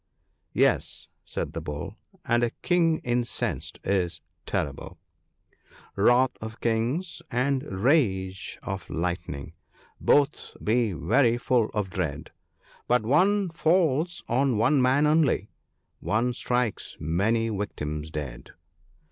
' Yes/ said the Bull, * and a king incensed is terrible, —" Wrath of kings, and rage of lightning — both be very full of dread ; But one falls on one man only — one strikes many victims dead."